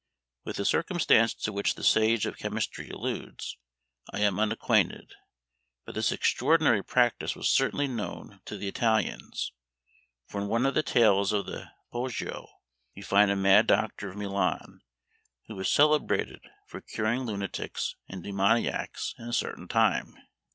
With the circumstance to which this sage of chemistry alludes, I am unacquainted; but this extraordinary practice was certainly known to the Italians; for in one of the tales of the Poggio we find a mad doctor of Milan, who was celebrated for curing lunatics and demoniacs in a certain time.